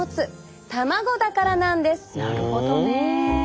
なるほどね。